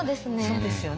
そうですよね。